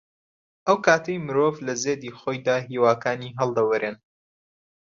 ئەو کاتەی مرۆڤ لە زێدی خۆیدا هیواکانی هەڵدەوەرێن